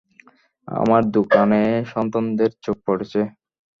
আমার দোকানে সন্তানদের চোখ পড়েছে।